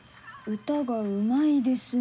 歌が上手いですね。